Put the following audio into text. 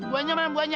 buahnya mana buahnya